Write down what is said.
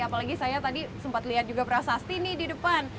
apalagi saya tadi sempat lihat juga prasasti nih di depan